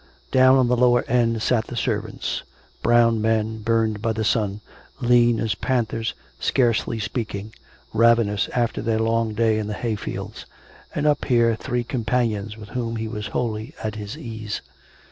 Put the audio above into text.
Down at the lower end sat the servants, brown men, burned by the sun; lean as panthers, scarcely speaking, ravenous after their long day in the hayfields ; and up here three companions with whom he was wholly at his ease.